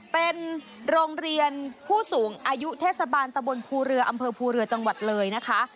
เป็นโรงเรียนผู้สูงอายุเทศบาลตะบนภูเรืออำเภอภูเรือจังหวัดเลยนะคะ